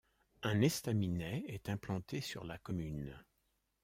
Un estaminet est implanté sur la commune.